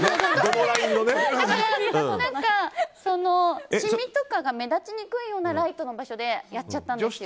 何か、しみとかが目立ちにくいようなライトの場所でやっちゃったんですよ。